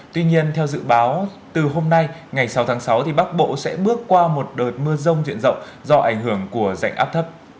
tuy nhiên theo dự báo từ hôm nay ngày sáu tháng sáu bắc bộ sẽ bước qua một đợt mưa rông diện rộng do ảnh hưởng của rãnh áp thấp